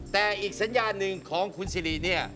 แต่อีกสัญญาณหนึ่งของคุณสิริเนี่ย